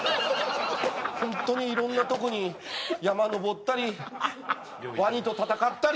ホントにいろんなとこに山登ったりワニと戦ったり。